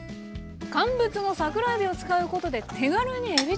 乾物の桜えびを使うことで手軽にえびチリ気分です。